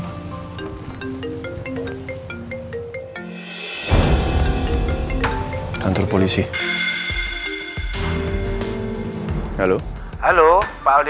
saya dari kantor polisi saya dari kantor polisi